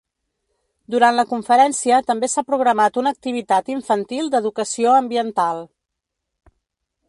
Durant la conferència també s’ha programat una activitat infantil d’educació ambiental.